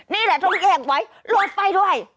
นี่แหละต้องแยกไว้รวมไปด้วย